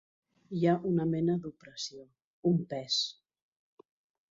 Hi ha una mena d'opressió, un pes.